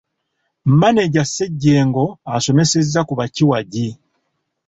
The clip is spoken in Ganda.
Maneja Ssejjengo asomesezza ku bakiwagi.